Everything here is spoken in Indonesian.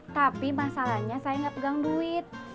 tapi masalahnya saya nggak pegang duit